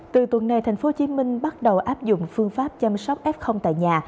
từ tuần này tp hcm bắt đầu áp dụng phương pháp chăm sóc f tại nhà